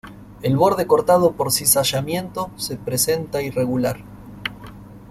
El borde cortado por cizallamiento se presenta irregular.